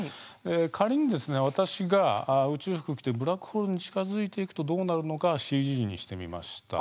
仮にですね、私が宇宙服着てブラックホールに近づいていくとどうなるのかＣＧにしてみました。